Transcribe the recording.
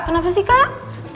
kenapa sih kak